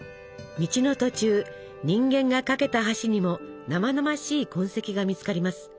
道の途中人間が架けた橋にも生々しい痕跡が見つかります。